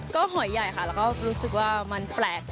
ก็หอยใหญ่ค่ะแล้วก็รู้สึกว่ามันแปลก